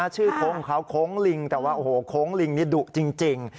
ชื่อโค้งของเขาโค้งลิงแต่ว่าโค้งลิงนี่ดุจริง